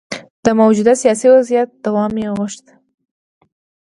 د موجوده سیاسي وضعیت دوام یې غوښت.